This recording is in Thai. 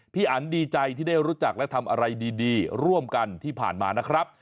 อันดีใจที่ได้รู้จักและทำอะไรดีร่วมกันที่ผ่านมานะครับ